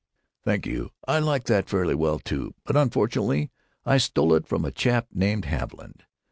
Thank you, I like that fairly well, too, but unfortunately I stole it from a chap named Haviland.